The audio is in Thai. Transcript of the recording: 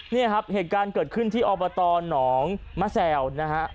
นี่ครับเหตุการณ์เกิดขึ้นที่อบตหนองมะแซวนะฮะ